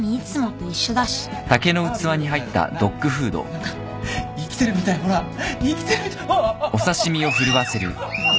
何か生きてるみたいほら生きてるみたいああっ。